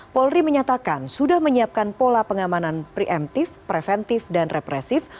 polri menyatakan sudah menyiapkan pola pengamanan preemptif preventif dan represif